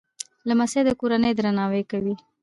لمسی د کورنۍ درناوی کوي.